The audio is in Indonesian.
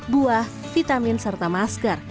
buah vitamin serta masker